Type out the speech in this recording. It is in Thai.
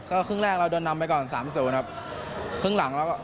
ก็ครึ่งแรกเราเดินนำไปก่อน๓๐ครึ่งหลัง